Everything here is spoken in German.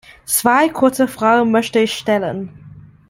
Zwei kurze Fragen möchte ich stellen.